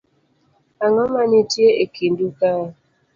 Ang'o ma nitie e kindu kae.